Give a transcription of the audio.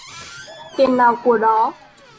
Tiền nào của đó